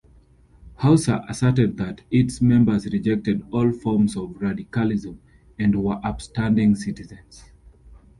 Hausser asserted that its members rejected all forms of radicalism and were "upstanding citizens".